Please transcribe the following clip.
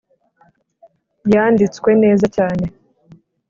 yanditswe neza cyane